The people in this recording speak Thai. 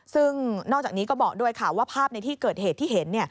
ซึ่งนอกจากนี้ก็บอกด้วยค่ะว่าภาพในที่เกิดเหตุที่เห็น